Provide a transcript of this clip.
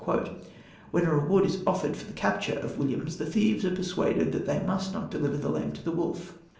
When a reward is offered for the capture of Williams, the thieves are persuaded that they must not deliver the lamb to the wolf.